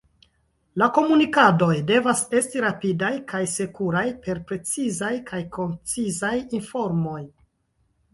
La komunikadoj devas esti rapidaj kaj sekuraj per precizaj kaj koncizaj informoj.